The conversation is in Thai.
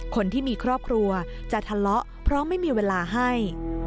คนที่มีครอบครัวจะทะเลาะเพราะไม่มีเวลาให้